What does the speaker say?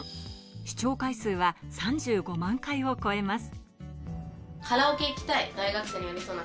視聴回数は３５万回を超えます。